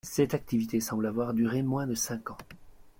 Cette activité semble avoir duré moins de cinq ans.